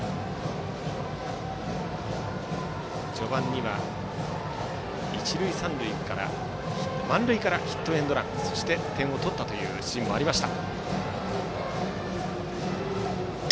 序盤には満塁からヒットエンドラン、そして点を取ったシーンもありました。